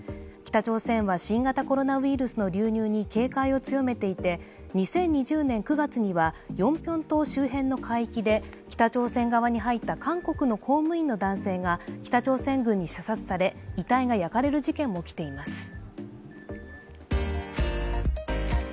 北朝鮮は新型コロナウイルスの流入に警戒を強めていて、２０２０年９月にはヨンピョン島周辺の海域で、北朝鮮側に入った韓国の公務員の男性が北朝鮮軍に射殺され、遺体が焼かれる事件も起きています。